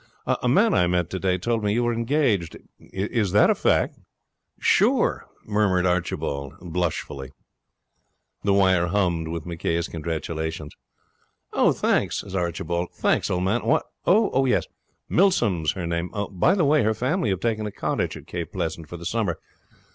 'A man I met today told me you were engaged. Is that a fact?' 'Sure,' murmured Archibald, blushfully. The wire hummed with McCay's congratulations. 'Thanks,' said Archibald. 'Thanks, old man. What? Oh, yes. Milsom's her name. By the way, her family have taken a cottage at Cape Pleasant for the summer.